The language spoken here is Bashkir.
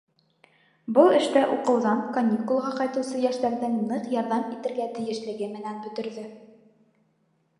Был эштә уҡыуҙан каникулға ҡайтыусы йәштәрҙең ныҡ ярҙам итергә тейешлеге менән бөтөрҙө.